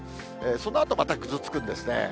そのあとまたぐずつくんですね。